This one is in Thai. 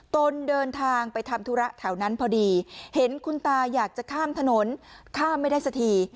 ตนเดินทางไปทำธุระแถวนั้นพอดีเห็นคุณตาอยากจะข้ามถนนข้ามไม่ได้สักที